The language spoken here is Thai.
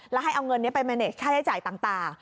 แล้วให้เอาเงินนี้ไปเมเน็ตค่าใช้จ่ายต่าง